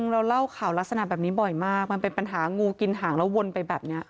เราเล่าข่าวลักษณะแบบนี้บ่อยมากมันเป็นปัญหางูกินหางแล้ววนไปแบบนี้